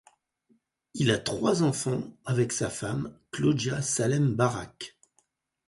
Il a trois enfants avec sa femme, Claudia Salem Barak.